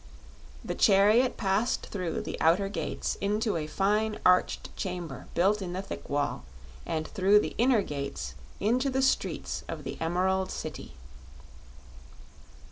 The chariot passed through the outer gates into a fine arched chamber built in the thick wall, and through the inner gates into the streets of the Emerald City.